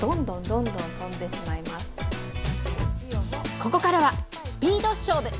ここからはスピード勝負！